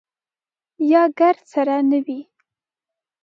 یا ګرد سره نه وي.